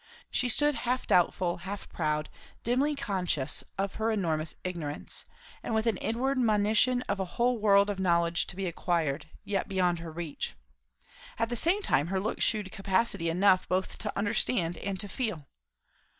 She stood, half doubtful, half proud, dimly conscious of her enormous ignorance, and with an inward monition of a whole world of knowledge to be acquired, yet beyond her reach; at the same time her look shewed capacity enough both to understand and to feel.